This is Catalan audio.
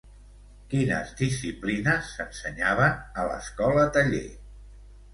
Quines disciplines s'ensenyaven a l'Escola Taller.